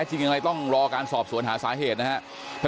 จริงยังไงต้องรอการสอบสวนหาสาเหตุนะครับ